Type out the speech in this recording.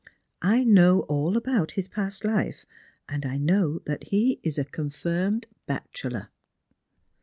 I know all about his past life, and know that he is a confirmed bachelor."